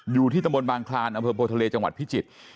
อยู่ที่ตำบลบางคลานอำเภอโพทะเลจังหวัดพิจิตร